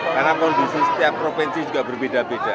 karena kondisi setiap provinsi juga berbeda beda